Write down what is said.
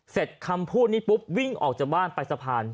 คำพูดนี้ปุ๊บวิ่งออกจากบ้านไปสะพาน